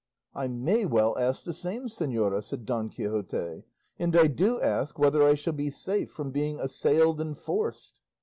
"I may well ask the same, señora," said Don Quixote; "and I do ask whether I shall be safe from being assailed and forced?"